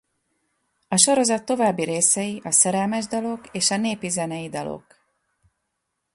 A sorozat további részei a Szerelmes dalok és a Népi-zenei dalok.